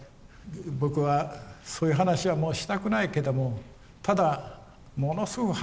僕はそういう話はもうしたくないけどもただものすごく反省してると。